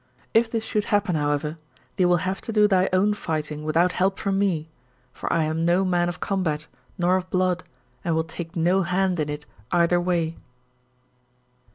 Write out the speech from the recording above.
If this should happen, however, thee will have to do thy own fighting without help from me, for I am no man of combat nor of blood and will take no hand in it either way."